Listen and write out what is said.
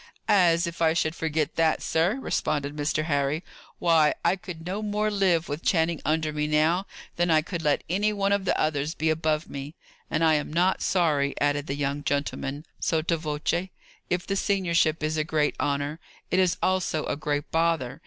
"As if I should forget that, sir!" responded Mr. Harry. "Why, I could no more live, with Channing under me now, than I could let any one of the others be above me. And I am not sorry," added the young gentleman, sotto voce. "If the seniorship is a great honour, it is also a great bother.